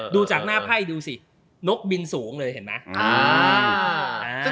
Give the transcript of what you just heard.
ดูจากหน้าไพ่ดูสินกบินสูงเลยเห็นไหม